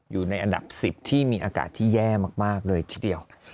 อยู่ในอันดับ๑๐ที่มีอากาศที่แย่มากเลยทีเดียว